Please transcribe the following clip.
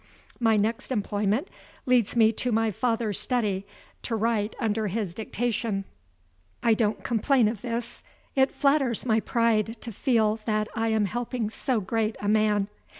My next employment leads me to my father's study, to write under his dictation. I don't complain of this; it flatters my pride to feel that I am helping so great a man.